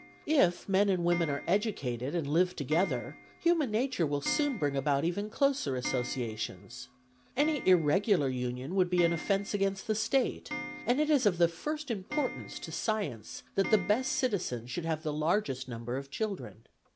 If men and women are educated and live together, human nature will soon bring about even closer associations. Any irregular union would be an offence against the State, and it is of the first importance to science that the best citizens should have the largest number of children.